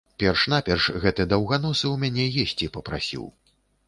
Перш-наперш гэты даўганосы ў мяне есці папрасіў.